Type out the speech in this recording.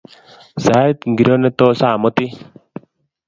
Sait ngiro netos amutin?